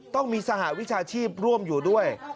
ต้องมีสหวิชาชีพร่วมอยู่ด้วย